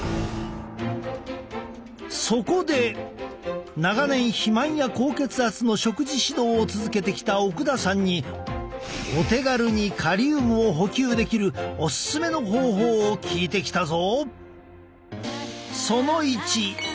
そこで長年肥満や高血圧の食事指導を続けてきた奥田さんにお手軽にカリウムを補給できるオススメの方法を聞いてきたぞ！